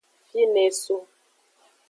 Fine eso.